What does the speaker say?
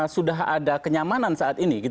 sudah ada kenyamanan saat ini